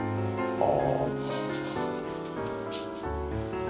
ああ